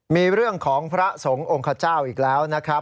มีเรื่องของพระสงฆ์องค์ขเจ้าอีกแล้วนะครับ